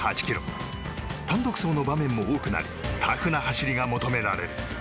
単独走の場面も多くなりタフな走りが求められる。